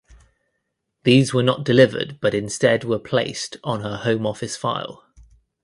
These were not delivered but instead were placed on her Home Office file.